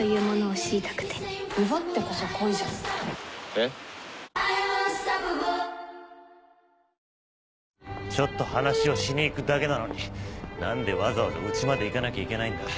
「エアジェット除菌ＥＸ」ちょっと話をしに行くだけなのに何でわざわざウチまで行かなきゃいけないんだ！？